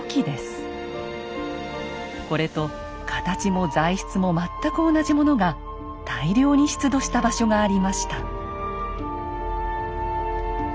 これと形も材質も全く同じものが大量に出土した場所がありました。